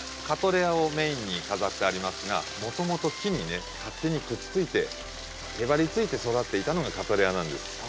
カトレアをメインに飾ってありますがもともと木にね勝手にくっついてへばりついて育っていたのがカトレアなんです。